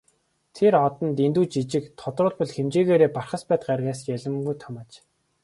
Тэр од нь дэндүү жижиг, тодруулбал хэмжээгээрээ Бархасбадь гаригаас ялимгүй том аж.